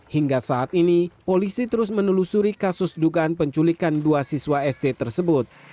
hingga saat ini polisi terus menelusuri kasus dugaan penculikan dua siswa sd tersebut